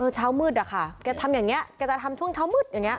เช้ามืดอะค่ะแกทำอย่างนี้แกจะทำช่วงเช้ามืดอย่างนี้